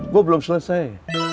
gue belum selesai